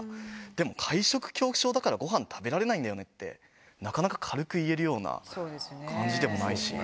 でも会食恐怖症だからごはん食べられないんだよねって、なかなか軽く言えるような感じでもないし。